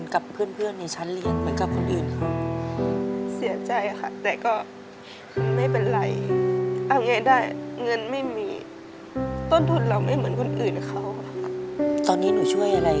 แต่คือยากไม่มีค่าเทอมให้